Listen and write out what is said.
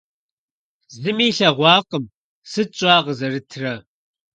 Зыми илъэгъуакъым. Сыт щӀа къызэрытрэ!